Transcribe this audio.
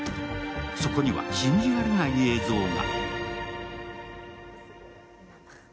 そこには信じられない映像が。